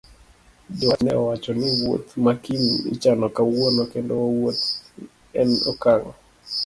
Jowach ne owacho ni wuoth ma kiny ichano kawuono kendo wuoth en okang'